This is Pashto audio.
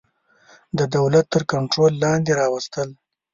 د دولت تر کنټرول لاندي راوستل.